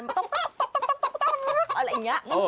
มันต้องต๊อกอะไรอย่างนี้